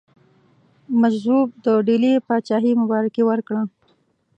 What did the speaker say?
مجذوب د ډهلي پاچهي مبارکي ورکړه.